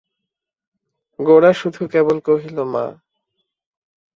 গোরা শুধু কেবল কহিল, মা!